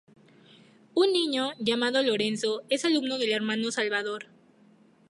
Un niño, llamado Lorenzo, es alumno del hermano Salvador.